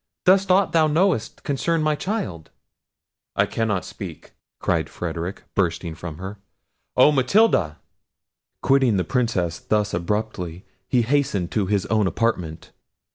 Does aught thou knowest concern my child?" "I cannot speak," cried Frederic, bursting from her. "Oh, Matilda!" Quitting the Princess thus abruptly, he hastened to his own apartment.